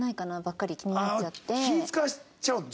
気ぃ使っちゃうんだ？